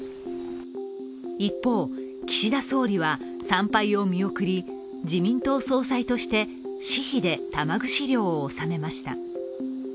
一方、岸田総理は参拝を見送り自民党総裁として私費で玉串料を納めました。